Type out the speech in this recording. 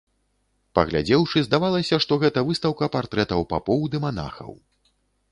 Паглядзеўшы, здавалася, што гэта выстаўка партрэтаў папоў ды манахаў.